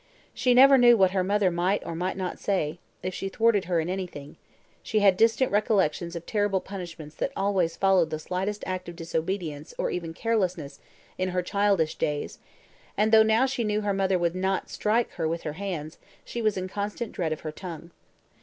She never knew what her mother might or might not say, if she thwarted her in anything: she had distant recollections of terrible punishments that always followed the slightest act of disobedience, or even carelessness, in her childish days; and though now she knew her mother would not strike her with her hands, she was in constant dread of her tongue.